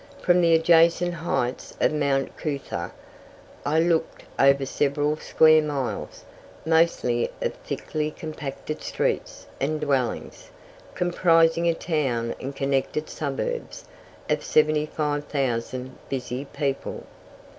From the adjacent heights of Mount Coot tha, I looked over several square miles, mostly of thickly compacted streets and dwellings, comprising a town and connected suburbs of 75,000 busy people.